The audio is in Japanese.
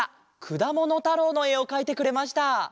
「くだものたろう」のえをかいてくれました。